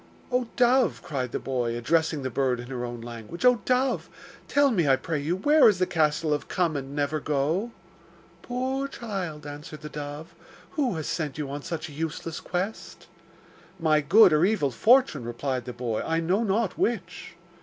'Oh dove!' cried the boy, addressing the bird in her own language, 'Oh dove! tell me, I pray you, where is the castle of Come and never go?' 'Poor child,' answered the dove, 'who has sent you on such a useless quest?' 'My good or evil fortune,' replied the boy, 'I know not which.